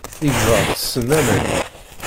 Igḍaḍ ttessen aman.